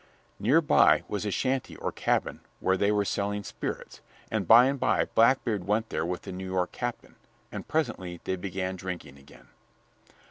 1894] Near by was a shanty or cabin where they were selling spirits, and by and by Blackbeard went there with the New York captain, and presently they began drinking again.